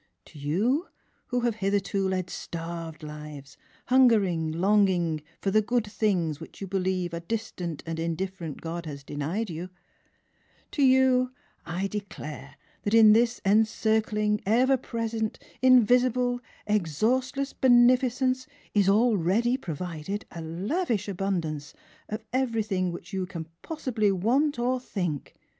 To you, who have hitherto led starved lives, hungering, longing for the good things which you believe a distant and indifferent God has denied you — to you I declare that in this encircling, ever present, invisible, exhaustless Benefi 20 Miss Philura cence is already provided a lav ish abundance of everything which you can possibly want or think